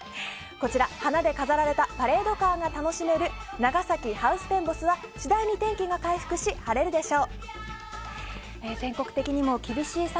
こちら、花で飾られたパレードカーが楽しめる長崎、ハウステンボスは次第に天気が回復し晴れるでしょう。